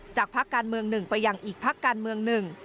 พักการเมืองหนึ่งไปยังอีกพักการเมืองหนึ่ง